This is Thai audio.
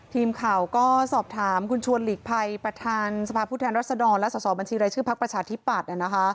ทีมข่าวก็สอบถามคุณชวนหลีกภัยประธานสภาพภูเทศรัสดรและส่อบัญชีไรชื่อภาคประชาธิบัติ